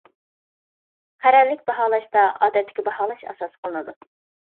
قەرەللىك باھالاشتا ئادەتتىكى باھالاش ئاساس قىلىنىدۇ.